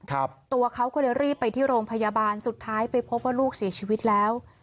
ตัวเขาก็เลยรีบไปที่โรงพยาบาลสุดท้ายไปพบว่าลูกเสียชีวิตแล้ว